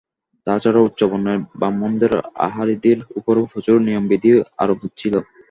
তাছাড়া, উচ্চবর্ণের ব্রাহ্মণদের আহারাদির উপরও প্রচুর নিয়মবিধি আরোপিত ছিল।